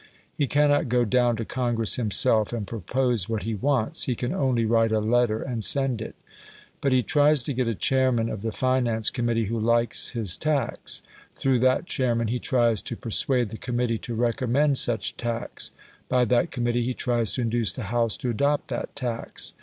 He cannot go down to Congress himself and propose what he wants; he can only write a letter and send it. But he tries to get a chairman of the Finance Committee who likes his tax; through that chairman he tries to persuade the committee to recommend such tax; by that committee he tries to induce the house to adopt that tax.